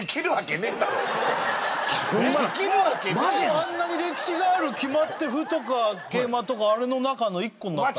あんなに歴史がある決まって歩とか桂馬とかあれの中の１個になったの？